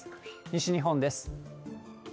西日本です。